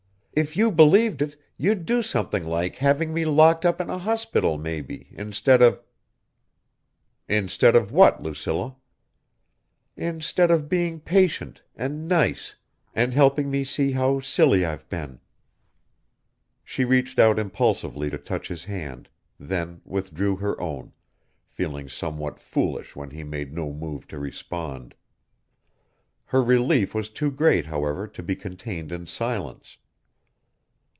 If you believed it, you'd do something like having me locked up in a hospital, maybe, instead of...." "Instead of what, Lucilla?" "Instead of being patient, and nice, and helping me see how silly I've been." She reached out impulsively to touch his hand, then withdrew her own, feeling somewhat foolish when he made no move to respond. Her relief was too great, however, to be contained in silence.